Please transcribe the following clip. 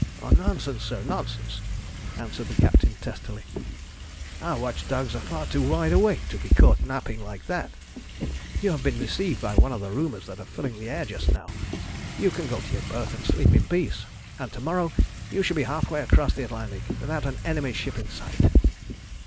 "Nonsense, sir, nonsense!" answered the captain testily. "Our watch dogs are far too wide awake to be caught napping like that. You have been deceived by one of the rumours that are filling the air just now. You can go to your berth and sleep in peace, and to morrow you shall be half way across the Atlantic without an enemy's ship in sight."